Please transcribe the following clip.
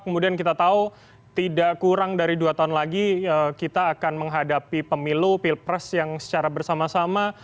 kemudian kita tahu tidak kurang dari dua tahun lagi kita akan menghadapi pemilu pilpres yang secara bersama sama